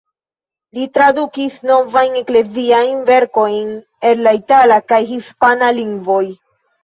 Li tradukis novajn ekleziajn verkojn el la itala kaj hispana lingvoj.